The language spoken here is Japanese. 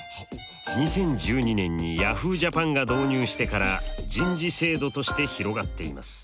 ２０１２年にヤフージャパンが導入してから人事制度として広がっています。